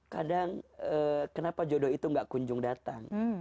kadang kenapa jodoh itu gak kunjung datang